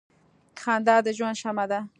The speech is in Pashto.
• خندا د ژوند شمع ده.